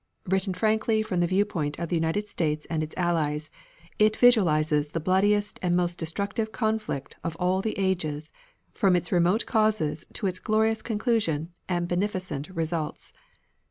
Written frankly from the viewpoint of the United States and the Allies, it visualizes the bloodiest and most destructive conflict of all the ages from its remote causes to its glorious conclusion and beneficent results.